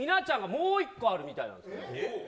もう１個あるみたいです。